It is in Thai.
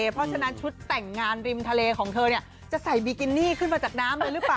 เพราะฉะนั้นชุดแต่งงานริมทะเลของเธอจะใส่บิกินี่ขึ้นมาจากน้ำเลยหรือเปล่า